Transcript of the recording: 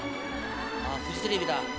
あっフジテレビだ。